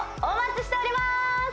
お待ちしておりまーす